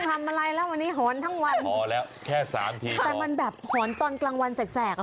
ทำอะไรแล้ววันนี้หอนทั้งวันหอแล้วแค่สามทีแต่มันแบบหอนตอนกลางวันแสกแสกอ่ะ